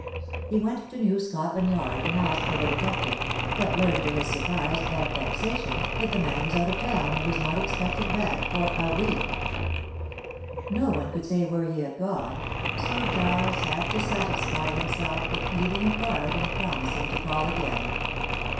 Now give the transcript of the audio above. He went to New Scotland Yard and asked for the detective, but learned to his surprise and vexation that the man was out of town and was not expected back for a week. No one could say where he had gone, so Giles had to satisfy himself with leaving a card and promising to call again.